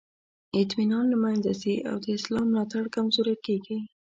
اطمینان له منځه ځي او د اصلاح ملاتړ کمزوری کیږي.